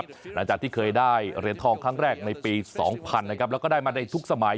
หลังจากที่เคยได้เหรียญทองครั้งแรกในปี๒๐๐นะครับแล้วก็ได้มาในทุกสมัย